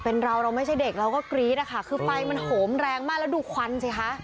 เป็นเราเราไม่ใช่เด็กเราก็กรี๊ดอะค่ะคือไฟมันโหมแรงมากแล้วดูควันสิคะ